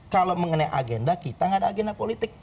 kalau mengenai agenda kita gak ada agenda politik